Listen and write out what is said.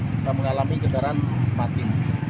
kita mengalami getaran mati